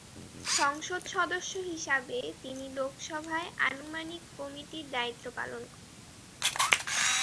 সংসদ সদস্য হিসাবে তিনি লোকসভায় আনুমানিক কমিটির দায়িত্ব পালন করেন।